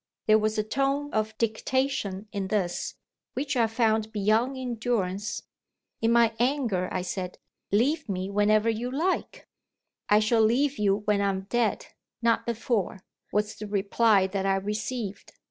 There was a tone of dictation in this, which I found beyond endurance. In my anger, I said: "Leave me whenever you like." "I shall leave you when I'm dead not before," was the reply that I received.